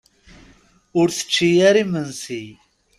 Ur tečči ara imensi.